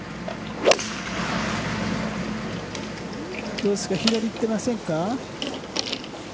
どうですか左に行ってませんか？